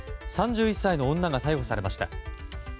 ３１歳の女が逮捕されました。